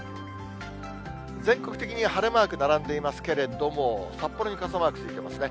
全国的に晴れマーク並んでいますけれども、札幌に傘マークついてますね。